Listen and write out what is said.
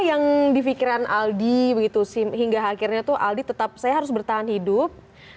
apa yang di pikiran aldi hingga akhirnya tuh aldi tetap saya harus bertahan hidup